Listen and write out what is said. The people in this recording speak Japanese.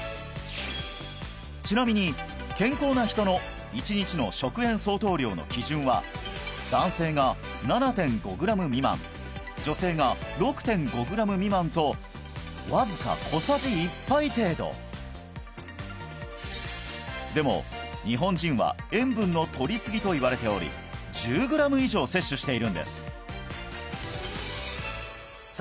ちなみに健康な人の１日の食塩相当量の基準は男性が７．５グラム未満女性が６．５グラム未満とわずか小さじ１杯程度でも日本人は塩分の摂りすぎといわれており１０グラム以上摂取しているんですさあ